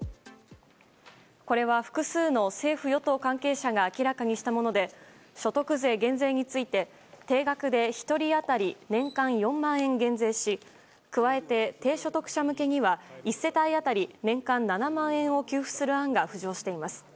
これは複数の政府・与党関係者が明らかにしたもので所得税減税について、定額で１人当たり年間４万円減税し加えて低所得者向けには１世帯当たり年間７万円を給付する案が浮上しています。